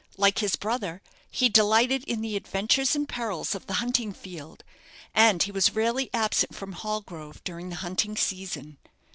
Like his brother, he delighted in the adventures and perils of the hunting field, and he was rarely absent from Hallgrove during the hunting season.